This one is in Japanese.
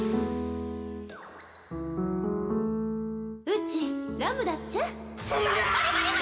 うちラムだっちゃ